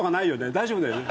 大丈夫だよね？